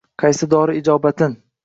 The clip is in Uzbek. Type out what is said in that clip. Qaysi dori ijobatin.